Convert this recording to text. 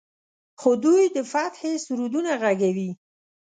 خو دوی د فتحې سرودونه غږوي.